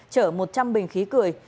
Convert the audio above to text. chở một trăm linh bình khí cười